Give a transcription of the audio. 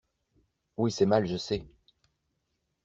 Oui c'est mal je sais.